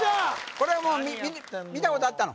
これはもう見たことあったの？